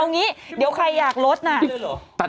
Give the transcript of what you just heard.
เอางี้เดี๋ยวใครอยากลดน่ะ